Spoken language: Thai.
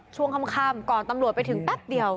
ช่วงค่ำก่อนตำรวจไปถึงแป๊บเดียว